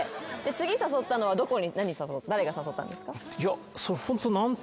次誘ったのはどこに誰が誘ったんですか？